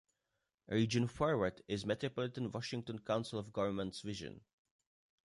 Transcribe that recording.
"Region Forward" is Metropolitan Washington Council of Governments vision.